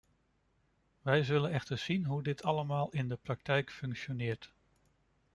Wij zullen echter zien hoe dit allemaal in de praktijk functioneert.